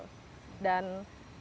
dan gedung parkir ini